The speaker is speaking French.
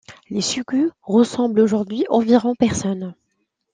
Les suku rassemblent aujourd’hui environ personnes.